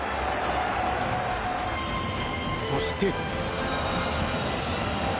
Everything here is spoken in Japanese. ［そして］